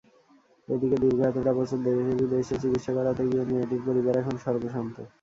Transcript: এদিকে দীর্ঘ এতটা বছর দেশে-বিদেশে চিকিৎসা করাতে গিয়ে মেয়েটির পরিবার এখন সর্বস্বান্ত।